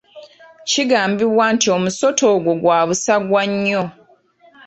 Kigambibwa nti omusota ogwo gwa busagwa nnyo.